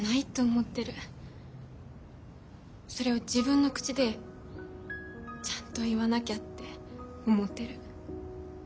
それを自分の口でちゃんと言わなきゃって思ってる。